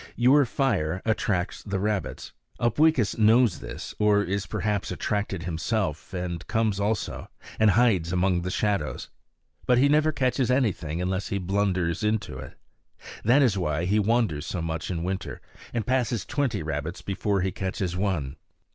Your fire attracts the rabbits. Upweekis knows this, or is perhaps attracted himself and comes also, and hides among the shadows. But he never catches anything unless he blunders onto it. That is why he wanders so much in winter and passes twenty rabbits before he catches one.